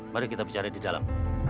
mari kita bicara di dalam